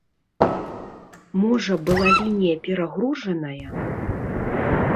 Можа была лінія перагружаная?